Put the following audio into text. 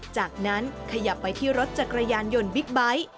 จากนั้นขยับไปที่รถจักรยานยนต์บิ๊กไบท์